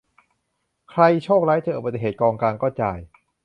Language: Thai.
ใคร "โชคร้าย" เจออุบัติเหตุ กองกลางก็จ่าย